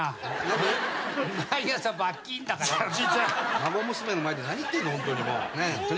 孫娘の前で何言ってんのホントに。